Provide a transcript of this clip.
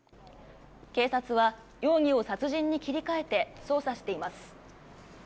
警察は容疑を殺人に切り替えて、捜査しています。